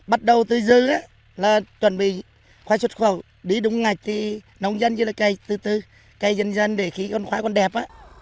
bắt đầu từ dư là chuẩn bị khoai xuất khẩu đi đúng ngày thì nông dân như là cây dân dân để khí con khoai con đẹp